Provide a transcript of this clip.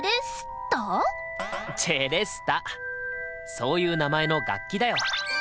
そういう名前の楽器だよ。